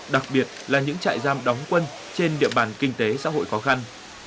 đặc biệt là những trại giam đóng quân trên địa bàn kinh tế xã hội khó khăn